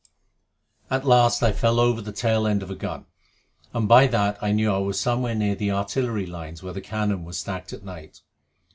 At last I fell over the tail end of a gun, and by that knew I was somewhere near the artillery lines where the cannon were stacked at night.